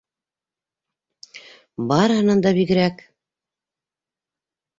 Барыһынан да бигерәк...